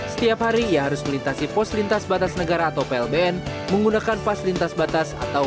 setiap hari ia harus melintasi pos lintas batas negara atau plbn menggunakan fasilitas batas atau